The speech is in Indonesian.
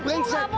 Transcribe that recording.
aku gak mau lihat